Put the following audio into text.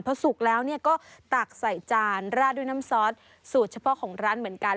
พอสุกแล้วก็ตักใส่จานราดด้วยน้ำซอสสูตรเฉพาะของร้านเหมือนกัน